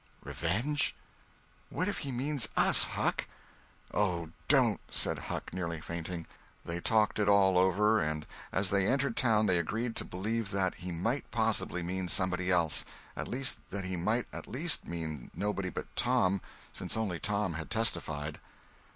"Revenge? What if he means us, Huck!" "Oh, don't!" said Huck, nearly fainting. They talked it all over, and as they entered town they agreed to believe that he might possibly mean somebody else—at least that he might at least mean nobody but Tom, since only Tom had testified.